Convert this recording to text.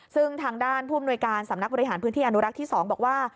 ซึ่งทางด้านผู้อำนวยการสำนักบริหารพื้นที่อนุรักษ์ที่๒บอกว่า